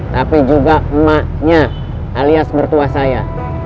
tapi juga emaknya alias mertua saya